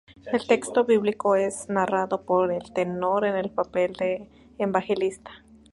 El texto bíblico es narrado por el tenor en el papel de Evangelista.